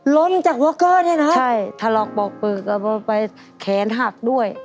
ล้มจากวอร์เกอร์เนี้ยนะใช่ถลอกบอกปืนก็บอกไปแขนหักด้วย